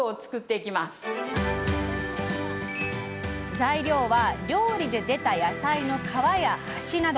材料は、料理で出た野菜の皮や端など。